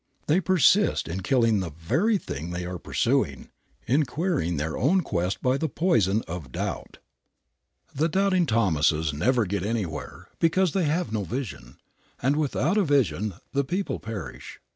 They persist in killing the very thing they are pursuing, in queering their own quest by the poison of doubt. The doubting Thomases never get anywhere, because they have no vision, and "without a vision the people perish."